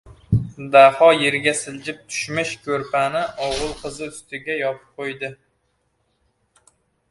Daho yerga siljib tushmish ko‘rpani o‘g‘il-qizi ustiga yopib qo‘ydi.